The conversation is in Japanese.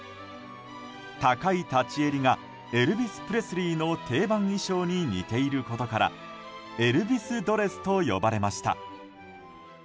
高い立ち襟がエルヴィス・プレスリーの定番衣装に似ていることからエルヴィスドレスと呼ばれました。